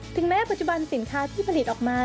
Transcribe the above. ถึงแม้ปัจจุบันสินค้าที่ผลิตออกมา